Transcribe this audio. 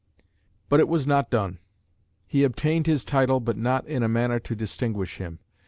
But it was not done. He "obtained his title, but not in a manner to distinguish him.